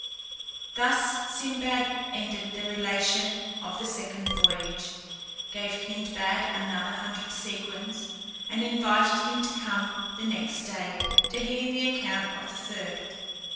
Thus Sinbad ended the relation of the second voyage, gave Hindbad another hundred sequins, and invited him to come the next day to hear the account of the third.